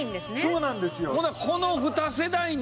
そうなんです。